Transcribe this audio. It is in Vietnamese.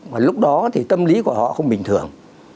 và lúc đó thì tâm lý của họ không bình thường